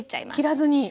切らずに。